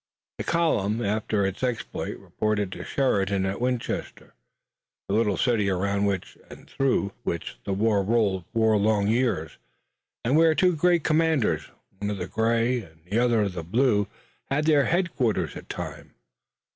The column, after its exploit, reported to Sheridan at Winchester, the little city around which and through which the war rolled for four long years, and where two great commanders, one of the gray and the other of the blue, had their headquarters at times.